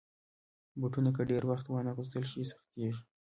بوټونه که ډېر وخته وانهغوستل شي، سختېږي.